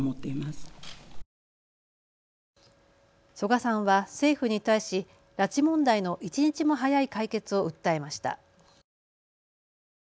曽我さんは政府に対し拉致問題の一日も早い解決を訴えました。